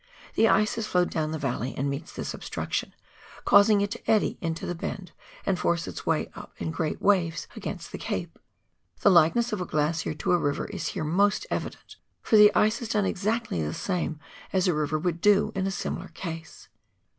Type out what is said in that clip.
The ice has flowed down the valley and meets this obstruction, causing it to eddy into the bend and force its way up in great waves against the Cape. The likeness of a glacier to a river is here most evident, for the ice has done exactly the same as a river would do in a similar case.